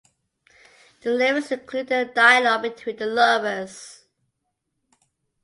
The lyrics include a dialogue between the lovers.